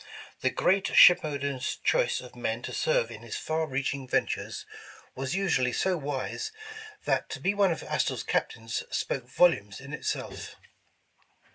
The great ship owner's choice of men to serve in his far reaching ven tures, was usually so wise, that to be one of Astor's Captains spoke volumes in itself.